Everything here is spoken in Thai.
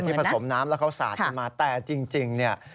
ผสมน้ำแล้วเขาสาดขึ้นมาแต่จริงเนี่ย